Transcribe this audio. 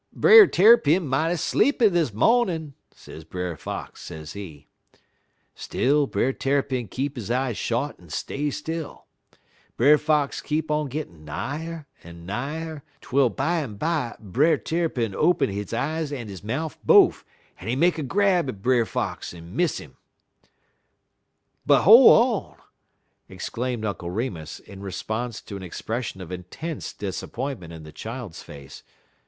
"'Brer Tarrypin mighty sleepy dis mawnin',' sez Brer Fox, sezee. "Still Brer Tarrypin keep he eyes shot en stay still. Brer Fox keep on gittin' nigher en nigher, twel bimeby Brer Tarrypin open he eyes en he mouf bofe, en he make a grab at Brer Fox en miss 'im. "But hol' on!" exclaimed Uncle Remus, in response to an expression of intense disappointment in the child's face.